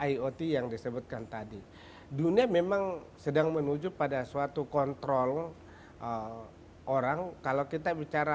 iot yang disebutkan tadi dunia memang sedang menuju pada suatu kontrol orang kalau kita bicara